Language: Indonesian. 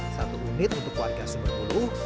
satu unit untuk warga sumber buluh